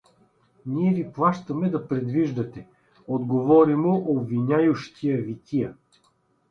— Ние ви плащаме да предвиждате — отговори му обвиняющият вития.